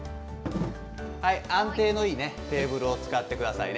安定のいいテーブルを使ってくださいね。